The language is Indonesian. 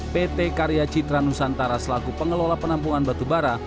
pt karya citra nusantara selaku pengelola penampungan batubara